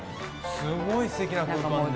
すごいすてきな空間で。